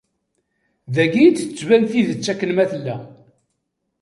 Dagi i d-tettban tidet akken ma tella.